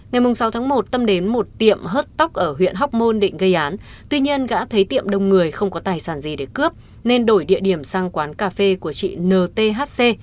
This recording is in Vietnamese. ngày sáu tháng một tâm đến một tiệm hớt tóc ở huyện hóc môn định gây án tuy nhiên đã thấy tiệm đông người không có tài sản gì để cướp nên đổi địa điểm sang quán cà phê của chị nthc